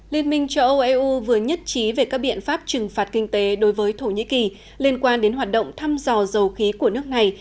liên minh châu âu eu vừa nhất trí về các biện pháp trừng phạt kinh tế đối với thổ nhĩ kỳ liên quan đến hoạt động thăm dò dầu khí của nước này